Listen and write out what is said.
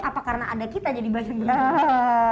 apa karena ada kita jadi banyak banyak